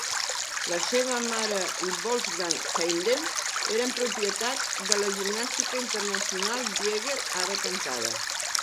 La seva mare i Wolfgang Heiden eren propietat de la gimnàstica internacional Bieger, ara tancada.